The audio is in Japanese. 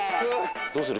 「どうする？